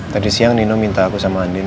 tadi siang nino minta aku sama andin